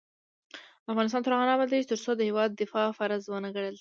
افغانستان تر هغو نه ابادیږي، ترڅو د هیواد دفاع فرض ونه ګڼل شي.